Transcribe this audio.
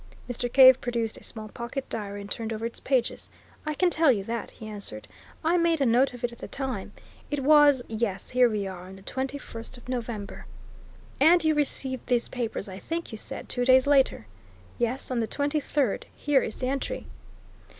Mr. Cave produced a small pocket diary and turned over its pages. "I can tell you that," he answered. "I made a note of it at the time. It was yes, here we are on the twenty first of November." "And you received these papers, I think you said, two days later?" "Yes on the twenty third. Here is the entry."